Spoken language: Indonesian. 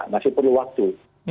masih perlu waktu